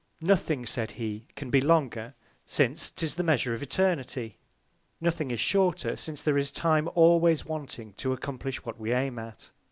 Nothing, said he, can be longer, since 'tis the Measure of Eternity; Nothing is shorter, since there is Time always wanting to accomplish what we aim at.